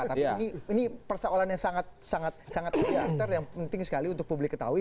tapi ini persoalan yang sangat sangat penting sekali untuk publik ketahui